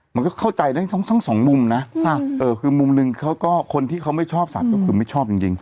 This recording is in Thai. มันก็เข้าใจได้ทั้งสองมุมนะคือมุมหนึ่งเขาก็คนที่เขาไม่ชอบสัตว์ก็คือไม่ชอบจริง